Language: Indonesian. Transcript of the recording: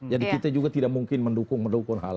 jadi kita juga tidak mungkin mendukung mendukung hal